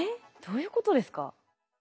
どういうことですか？